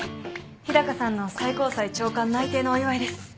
日高さんの最高裁長官内定のお祝いです。